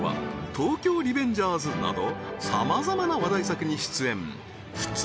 東京リベンジャーズなどさまざまな話題作に出演普通